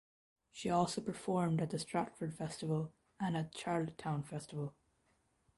She also performed at the Stratford Festival and at the Charlottetown Festival.